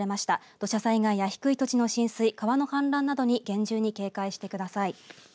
土砂災害や低い土地の浸水川の氾濫などに厳重に警戒してください。